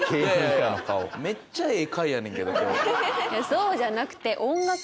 そうじゃなくて。